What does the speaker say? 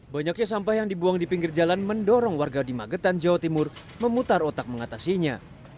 banyaknya sampah yang dibuang di pinggir jalan mendorong warga di magetan jawa timur memutar otak mengatasinya